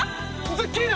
ズッキーナ！